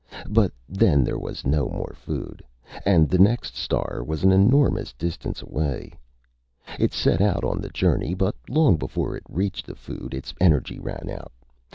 But then there was no more food, and the next star was an enormous distance away. It set out on the journey, but long before it reached the food, its energy ran out.